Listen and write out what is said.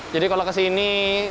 jadi kalau kesini